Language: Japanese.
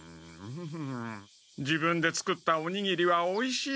自分で作ったおにぎりはおいしい。